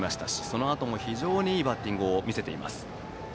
そのあとも非常にいいバッティングを見せています。